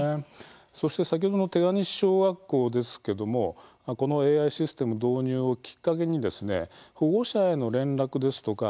そして、手賀西小学校ですけどもＡＩシステム導入をきっかけに保護者への連絡ですとか